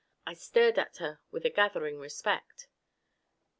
I stared at her with a gathering respect.